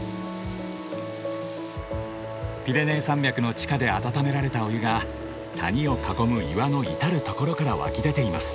ピレネー山脈の地下で温められたお湯が谷を囲む岩の至る所から湧き出ています。